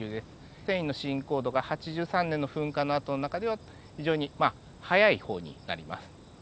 遷移の進行度が８３年の噴火のあとの中では非常に速い方になります。